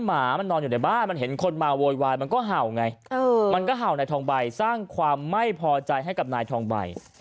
หมามันนอนอยู่ในบ้านมันเห็นคนมาโวยวายมันก็เห่าไงมันก็เห่านายทองใบสร้างความไม่พอใจให้กับนายทองใบ